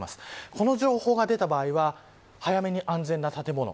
この情報が出た場合は早めに安全な建物。